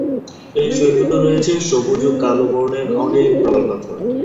এই সৈকতে রয়েছে সবুজ ও কালো বর্ণের অনেক প্রবাল পাথর।